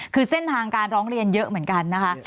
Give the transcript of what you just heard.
คือเส้นทางการร้องเรียนเยอะเหมือนกันนะคะ